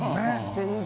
全然。